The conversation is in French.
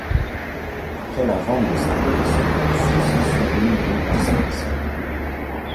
Après la vente de sa collection, ceux-ci sont de nouveaux dispersés.